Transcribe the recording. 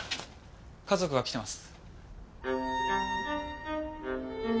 家族が来てます。